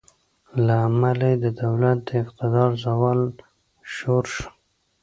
له امله یې د دولت د اقتدار زوال ژور شو.